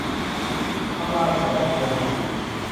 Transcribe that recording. ตำราสมัยราชวงศ์ชิง